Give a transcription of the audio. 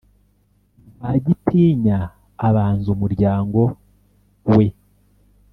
rwagitinya abanza umuryango we